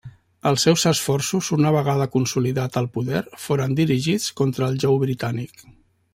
Els seus esforços una vegada consolidat al poder foren dirigits contra el jou britànic.